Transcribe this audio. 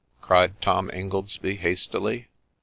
' cried Tom Ingoldsby, hastily.